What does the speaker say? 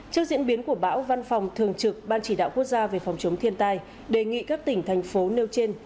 trước diễn biến của bão văn phòng thường trực ban chỉ đạo quốc gia về phòng chống thiên tai đề nghị các tỉnh thành phố nêu trên